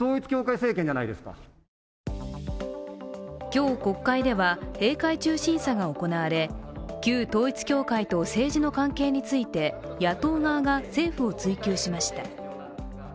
今日、国会では閉会中審査が行われ旧統一教会と政治の関係について野党側が政府を追及しました。